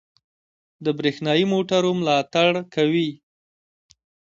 د بریښنايي موټرو ملاتړ کوي.